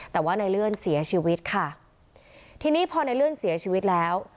แต่ว่าในเลื่อนเสียชีวิตค่ะทีนี้พอในเลื่อนเสียชีวิตแล้ว